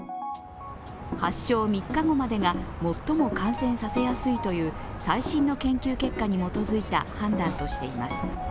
発症３日後までが最も感染させやすいという最新の研究結果に基づいた判断としています。